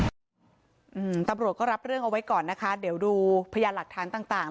อืมตำรวจก็รับเรื่องเอาไว้ก่อนนะคะเดี๋ยวดูพยานหลักฐานต่างต่าง